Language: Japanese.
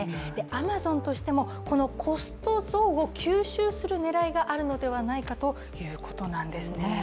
アマゾンとしても、コスト増を吸収する狙いがあるのではないかということなんですね。